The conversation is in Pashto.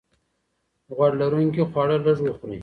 غوړ لرونکي خواړه لږ وخورئ.